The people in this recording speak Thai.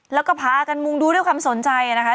แล้วก็พากันมุงดูด้วยความสนใจนะคะ